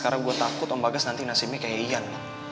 karena gue takut om bagas nanti nasibnya kayak ian